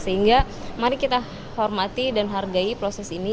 sehingga mari kita hormati dan hargai proses ini